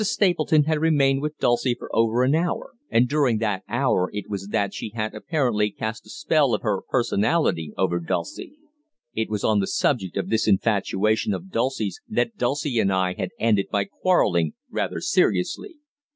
Stapleton had remained with Dulcie over an hour, and during that hour it was that she had apparently cast the spell of her personality over Dulcie. It was on the subject of this infatuation of Dulcie's that Dulcie and I had ended by quarrelling rather seriously.